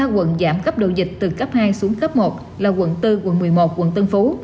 ba quận giảm cấp độ dịch từ cấp hai xuống cấp một là quận bốn quận một mươi một quận tân phú